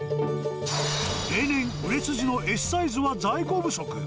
例年、売れ筋のＳサイズは在庫不足。